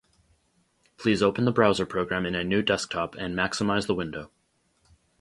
Please open the browser program in a new desktop and maximize the window